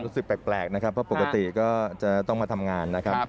รู้สึกแปลกนะครับเพราะปกติก็จะต้องมาทำงานนะครับ